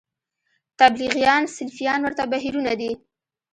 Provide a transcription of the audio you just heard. تبلیغیان سلفیان ورته بهیرونه دي